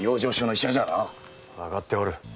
わかっておる。